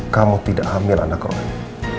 kamu tidak hamil anak rohing